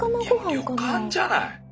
もう旅館じゃない。